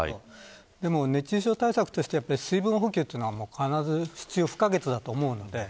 でも熱中症対策として水分補給というのは必要不可欠だと思うので。